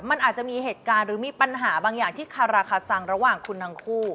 มันอาจจะมีเหตุการณ์หรือมีปัญหาบางอย่างที่คาราคาซังระหว่างคุณทั้งคู่